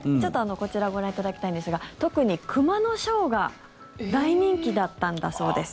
こちらをご覧いただきたいんですが特に熊のショーが大人気だったそうです。